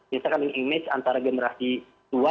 misalkan dengan image antar generasi tua